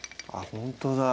ほんとだ